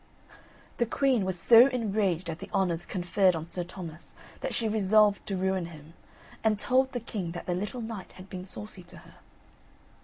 The queen was so enraged at the honours conferred on Sir Thomas that she resolved to ruin him, and told the king that the little knight had been saucy to her.